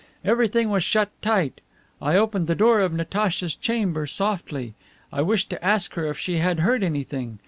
Everything was shut tight. I opened the door of Natacha's chamber softly. I wished to ask her if she had heard anything.